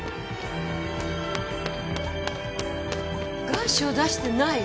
願書を出してない！？